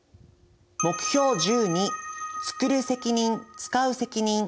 目標１２「つくる責任つかう責任」。